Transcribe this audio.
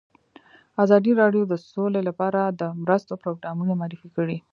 ازادي راډیو د سوله لپاره د مرستو پروګرامونه معرفي کړي.